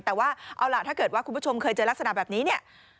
แต่ว่าเอาล่ะถ้าเจอคุณผู้ชมเห็นลักษณะแบบนี้